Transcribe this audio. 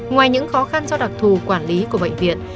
ngoài những khó khăn do đặc thù quản lý của bệnh viện